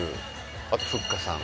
あとふっかさん